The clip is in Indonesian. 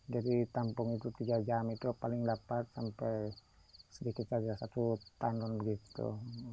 jadi tampung itu tiga jam itu paling dapat sampai sedikit saja satu tanun begitu